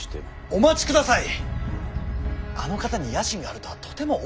お待ちください。